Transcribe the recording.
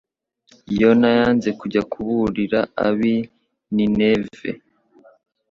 yona yanze kujya kuburira abi nineve